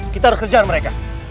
kita harus mengejar mereka